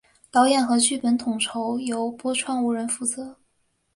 导演和剧本统筹由川波无人负责。